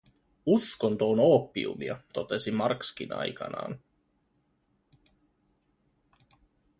Uskonto on oopiumia, totesi Marxkin aikanaan.